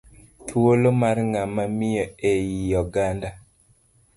Thuolo mar ng'ama miyo e i oganda